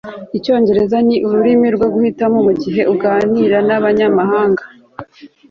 Icyongereza ni ururimi rwo guhitamo mugihe uganira nabanyamahanga